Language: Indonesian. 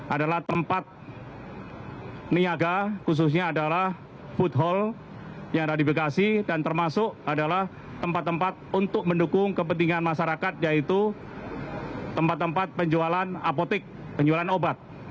adalah tempat niaga khususnya adalah food hall yang radik bekasi dan termasuk adalah tempat tempat untuk mendukung kepentingan masyarakat yaitu tempat tempat penjualan apotik penjualan obat